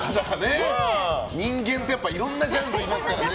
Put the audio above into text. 人間って、やっぱいろんなジャンルいますからね。